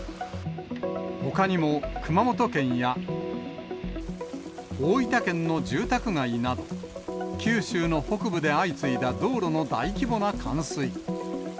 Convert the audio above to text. ほかにも、熊本県や大分県の住宅街など、九州の北部で相次いだ道路の大規模な冠水。